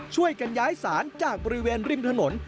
ช่วยกันย้ายศาลจากบริเวณริมถนน